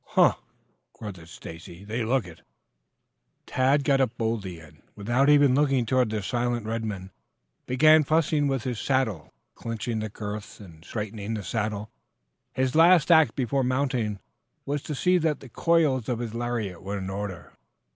"Huh!" grunted Stacy. "They look it." Tad got up boldly, and without even looking toward the silent red men, began fussing about his saddle, cinching the girths, and straightening the saddle. His last act before mounting was to see that the coils of his lariat were in order.